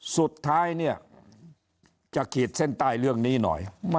สุดท้ายเนี่ยจะขีดเส้นใต้เรื่องนี้หน่อย